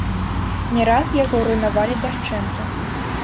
Не раз яго руйнавалі дашчэнту.